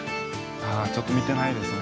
さあちょっと見てないですね。